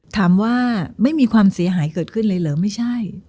ถามว่าไม่มีความเสียหายเกิดขึ้นเลยเหรอไม่ใช่